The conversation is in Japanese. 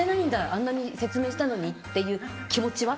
あんなに説明したのにっていう気持ちは？